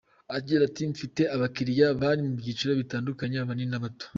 Agira ati:"mfite aba client bari mu byiciro bitandukanye, abanini n’abato.